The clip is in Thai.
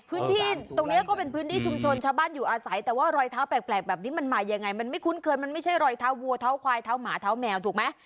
พื้นที่ตรงนี้ก็เป็นพื้นที่ชุมชนชาวบ้านอยู่อาศัยแต่ว่ารอยเท้าแปลกแบบนี้มันมายังไงมันไม่คุ้นเคยมันไม่ใช่รอยเท้าวัวเท้าควายเท้าหมาเท้าแมวถูกไหม